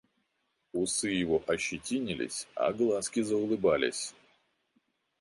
Усы его ощетинились, а глазки заулыбались.